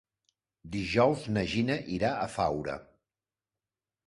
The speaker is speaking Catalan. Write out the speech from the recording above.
Dijous na Gina irà a Faura.